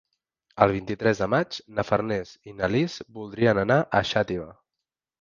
El vint-i-tres de maig na Farners i na Lis voldrien anar a Xàtiva.